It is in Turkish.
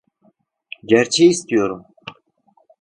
Gerçeği istiyorum.